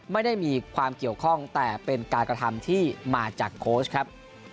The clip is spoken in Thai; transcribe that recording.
ไม่ได้มีความเกี่ยวข้องแต่เป็นการกระทำที่มาจากโค้ชครับ